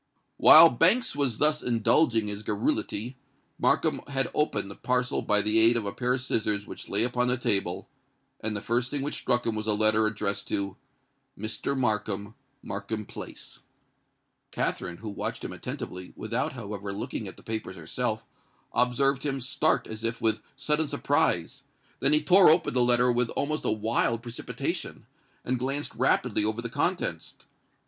While Banks was thus indulging his garrulity, Markham had opened the parcel by the aid of a pair of scissors which lay upon the table; and the first thing which struck him was a letter addressed to "Mr. Markham, Markham Place." Katherine, who watched him attentively, without, however, looking at the papers herself, observed him start as if with sudden surprise: then he tore open the letter with almost a wild precipitation, and glanced rapidly over the contents.